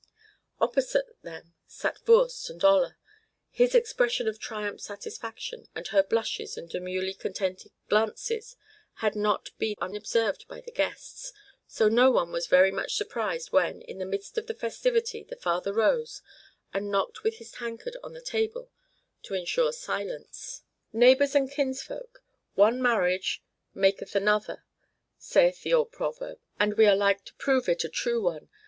Opposite them sat Voorst and Olla. His expression of triumphant satisfaction, and her blushes and demurely contented glances, had not been unobserved by the guests; so no one was very much surprised when, in the midst of the festivity, the father rose, and knocked with his tankard on the table to insure silence. "Neighbors and kinsfolk, one marriage maketh another, saith the old proverb, and we are like to prove it a true one.